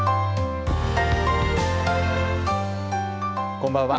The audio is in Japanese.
こんばんは。